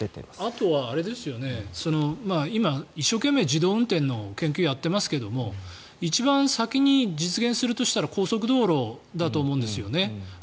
あとは今、一生懸命自動運転の研究をやってますが一番先に実現するとしたら高速道路だと思うんですよね。